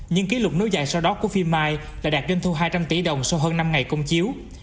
nhưng kỷ lục nối dài sau đó của phim mai lại đạt doanh thu hai trăm linh tỷ đồng sau hơn năm ngày công chiếu